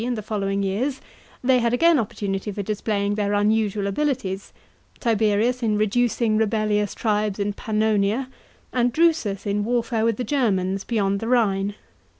and the following years they had again opportunity for displaying their unusual abilities, Tiberius in reducing rebellious tribes in Pannonia, and Drusus in warfare with the Germans beyond the Rhine.